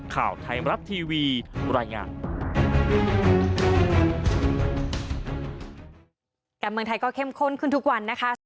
ข่าวไทยมรัฐทีวีรายงาน